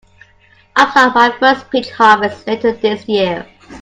I'll start my first peach harvest later this year.